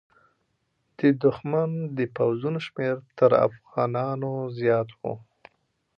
د دښمن د پوځونو شمېر تر افغانانو زیات و.